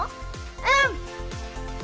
うん！